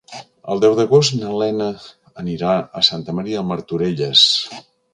El deu d'agost na Lena anirà a Santa Maria de Martorelles.